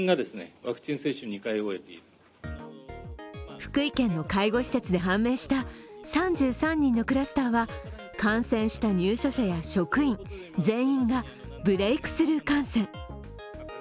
福井県の介護施設で判明した３３人のクラスターは感染した入所者や職員全員がブレークスルー感染。